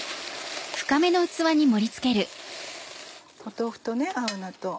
豆腐と青菜と。